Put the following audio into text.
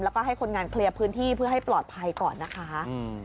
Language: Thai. แล้วก็ให้คนงานเคลียร์พื้นที่เพื่อให้ปลอดภัยก่อนนะคะ